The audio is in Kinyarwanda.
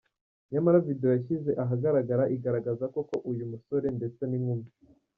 nyamara video yashyize ahagaragara igaragaza koko uyu musore ndetse ninkumi.